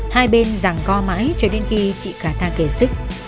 hai bên ràng co mãi cho đến khi chị cà tha kề sức